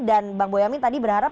dan bang boyamin tadi berharap